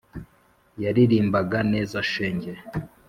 yaririmbaga neza shenge....